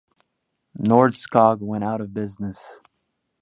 Nordskog went out of business.